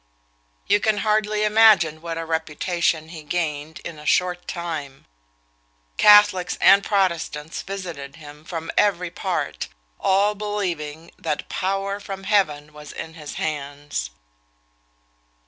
You can hardly imagine what a reputation he gained in a short time. Catholics and Protestants visited him from every part, all believing that power from heaven was in his hands."